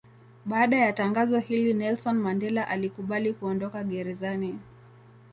Baada ya tangazo hili Nelson Mandela alikubali kuondoka gerezani.